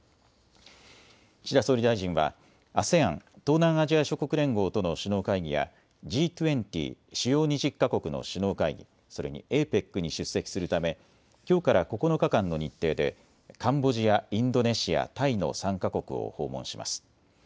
岸田総理大臣はＡＳＥＡＮ・東南アジア諸国連合との首脳会議やＧ２０・主要２０か国の首脳会議、それにＡＰＥＣに出席するためきょうから９日間の日程でカンボジア、インドネシア、タイの３か国を訪問します。